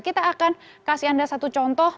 kita akan kasih anda satu contoh